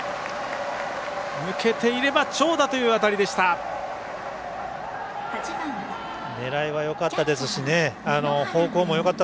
抜けていれば長打という当たりでした。